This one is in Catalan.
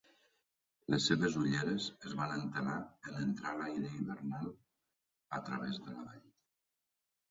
Les seves ulleres es van entelar en entrar l'aire hivernal a través de la vall.